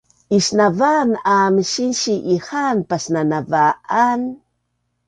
Isnavaan aam sinsi ihaan pasnanava’an